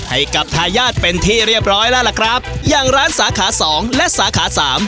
ให้กับทายาทเป็นที่เรียบร้อยแล้วล่ะครับอย่างร้านสาขาสองและสาขาสาม